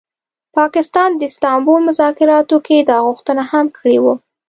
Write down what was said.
پاکستان د استانبول مذاکراتو کي دا غوښتنه هم کړې وه